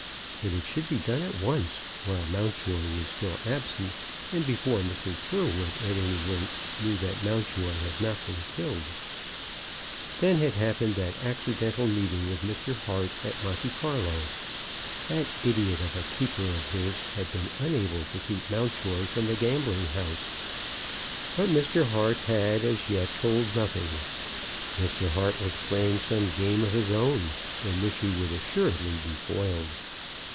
But it should be done at once, while Mountjoy was still absent and before Mr. Tyrrwhit at any rate knew that Mountjoy had not been killed. Then had happened that accidental meeting with Mr. Hart at Monte Carlo. That idiot of a keeper of his had been unable to keep Mountjoy from the gambling house. But Mr. Hart had as yet told nothing. Mr. Hart was playing some game of his own, in which he would assuredly be foiled.